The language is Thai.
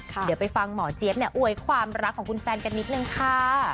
เดี๋ยวไปฟังหมอเจี๊ยบเนี่ยอวยความรักของคุณแฟนกันนิดนึงค่ะ